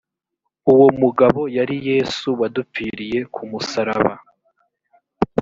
uwo mugabo yari yesu wadupfiriye kumusaraba